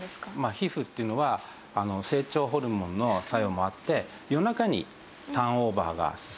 皮膚っていうのは成長ホルモンの作用もあって夜中にターンオーバーが進むんですね。